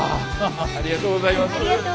ありがとうございます。